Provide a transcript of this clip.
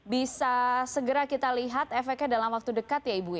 bisa segera kita lihat efeknya dalam waktu dekat ya ibu ya